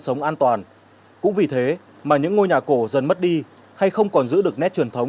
sống an toàn cũng vì thế mà những ngôi nhà cổ dần mất đi hay không còn giữ được nét truyền thống